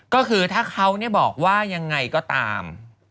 ก็คือถ้าเขาบอกว่ายังไงก็ตาม